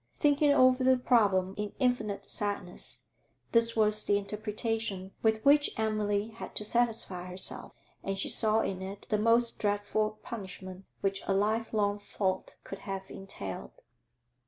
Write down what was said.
Thinking over the problem in infinite sadness, this was the interpretation with which Emily had to satisfy herself, and she saw in it the most dreadful punishment which a life long fault could have entailed.